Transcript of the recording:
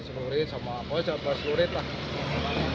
sepuluhan sama apa sepuluhan